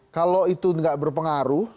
kalau itu gak berpengaruh